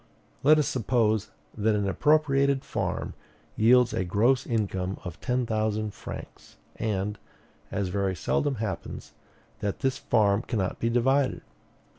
Let us suppose that an appropriated farm yields a gross income of ten thousand francs; and, as very seldom happens, that this farm cannot be divided.